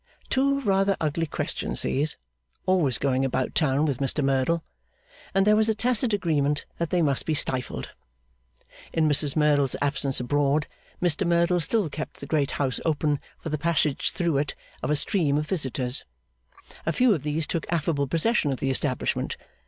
Two rather ugly questions these, always going about town with Mr Merdle; and there was a tacit agreement that they must be stifled. In Mrs Merdle's absence abroad, Mr Merdle still kept the great house open for the passage through it of a stream Of visitors. A few of these took affable possession of the establishment.